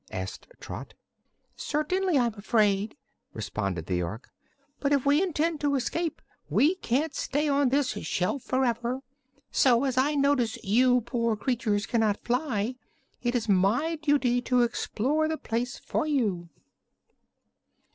asked Trot. "Certainly I'm afraid," responded the Ork. "But if we intend to escape we can't stay on this shelf forever. So, as I notice you poor creatures cannot fly, it is my duty to explore the place for you."